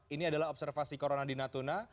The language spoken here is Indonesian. ini adalah observasi corona di natuna